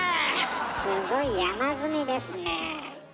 すごい山積みですね。